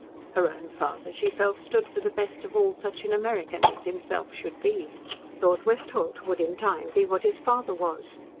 Her own father, she felt, stood for the best of all such an American as himself should be. Lord Westholt would in time be what his father was.